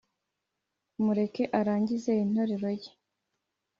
mureke arangize interuro ye